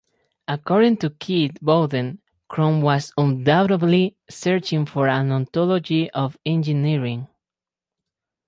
According to Keith Bowden, "Kron was undoubtedly searching for an ontology of engineering".